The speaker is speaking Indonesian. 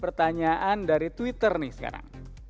pertanyaan dari twitter nih sekarang